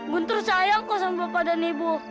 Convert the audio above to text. guntur sayang kok sama bapak dan ibu